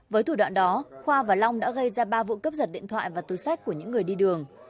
với thủ đoạn đó khoa và long đã gây ra ba vụ cấp giật điện thoại và túi sách của những người đi đường